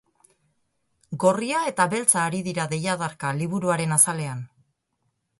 Gorria eta beltza ari dira deiadarka liburuaren azalean,